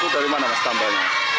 dari mana mas tambahnya